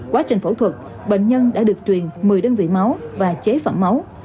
quá trình phẫu thuật bệnh nhân đã được truyền một mươi đơn vị máu và chế phẩm máu